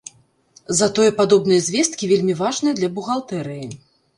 Затое падобныя звесткі вельмі важныя для бухгалтэрыі.